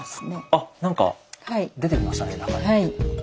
あっ何か出てきましたね